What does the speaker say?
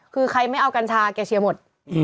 คือใครไม่เอากัญชาแกเชียร์หมด